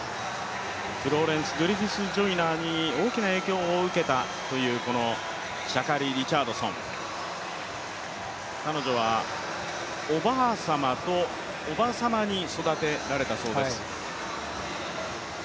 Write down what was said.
フローレンス・グリフィス＝ジョイナーに大きな影響を受けたというこのシャカリ・リチャードソン、彼女はおばあさまと、おばさまに育てられたそうです。